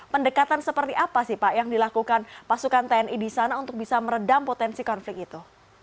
pendekatan seperti apa sih pak yang dilakukan pasukan tni di sana untuk bisa meredam potensi konflik itu